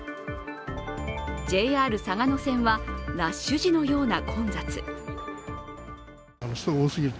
ＪＲ嵯峨野線はラッシュ時のような混雑。